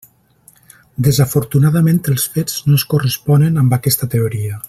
Desafortunadament els fets no es corresponen amb aquesta teoria.